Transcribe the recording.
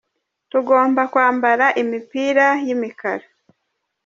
Tugomba kwambara imipira yi mikara.